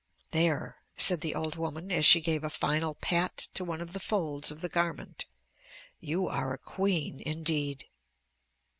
"There," said the old woman, as she gave a final pat to one of the folds of the garment, "you are a queen indeed!"